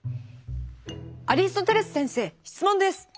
「アリストテレス先生質問です。